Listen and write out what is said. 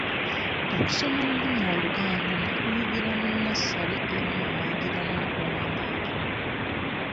Okusoma olulimi Oluganda nakuyigira mu nassale era mwe nnayigira n'okuwandiika